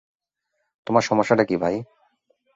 তোমার সমস্যাটা কী, ভাই?